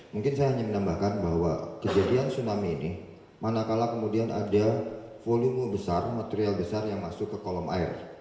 mungkin saya hanya menambahkan bahwa kejadian tsunami ini manakala kemudian ada volume besar material besar yang masuk ke kolom air